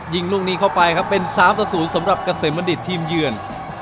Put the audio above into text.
ยิงลูกนี้เข้าไปครับเป็น๓ต่อ๐สำหรับเกษมบัณฑิตทีมเยือน